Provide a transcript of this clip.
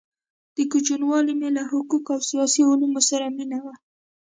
د كوچنیوالي مي له حقو قو او سیاسي علومو سره مینه وه؛